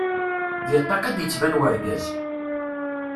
Di ṭṭiq i d-ittban wergaz.